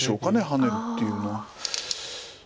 ハネるというのは。